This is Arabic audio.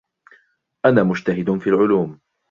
أنا مجتهد في العلوم.